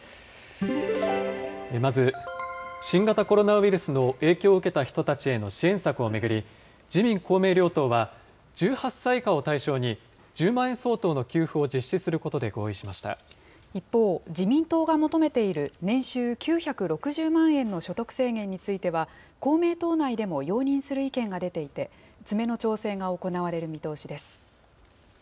まず新型コロナウイルスの影響を受けた人たちへの支援策を巡り、自民、公明両党は、１８歳以下を対象に１０万円相当の給付を実施することで合意しま一方、自民党が求めている年収９６０万円の所得制限については、公明党内でも容認する意見が出ていて、詰めの調整が行われる見通しです。